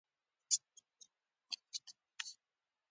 خوراک بايد په منظم ډول ترسره شي.